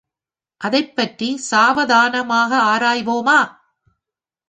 அதைப்பற்றி சாவதானமாக ஆராய்வோமா?